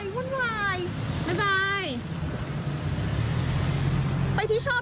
คุณคุณดูมันเป็นขังกลวง